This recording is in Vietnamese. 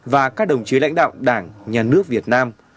và các đồng chí lãnh đạo đảng nhà nước việt nam